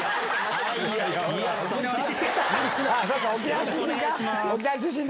よろしくお願いします。